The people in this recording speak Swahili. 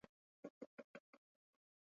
benki kuu ya tanzania ina mjukumu makubwa